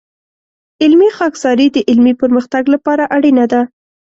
علمي خاکساري د علمي پرمختګ لپاره اړینه ده.